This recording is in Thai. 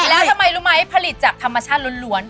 แล้วทำไมรู้ไหมผลิตจากธรรมชาติล้วน